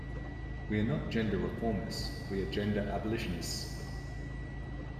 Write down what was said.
We are not gender reformists-we are gender abolitionists.